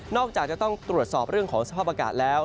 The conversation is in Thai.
จากจะต้องตรวจสอบเรื่องของสภาพอากาศแล้ว